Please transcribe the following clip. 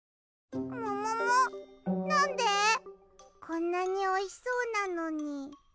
こんなにおいしそうなのに。